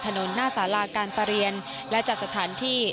ถนนหน้าสาราการประเรียนและจัดสถานที่